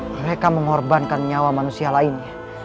mereka mengorbankan nyawa manusia lainnya